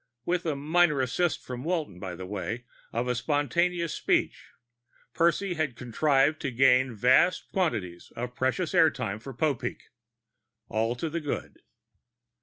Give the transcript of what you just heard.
With a minor assist from Walton by way of a spontaneous speech, Percy had contrived to gain vast quantities of precious air time for Popeek. All to the good.